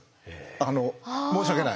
あの申し訳ない。